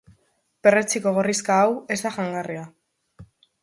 Perretxiko gorrixka hau ez da jangarria.